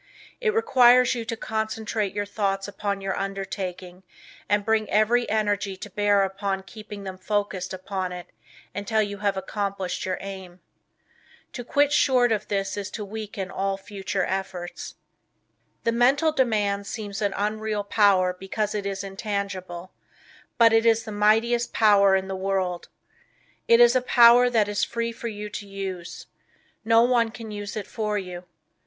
It requires you to concentrate your thoughts upon your undertaking and bring every energy to bear upon keeping them focused upon it until you have accomplished your aim. To quit short of this is to weaken all future efforts. The Mental Demand seems an unreal power because it is intangible; but it is the mightiest power in the world. It is a power that is free for you to use. No one can use it for you.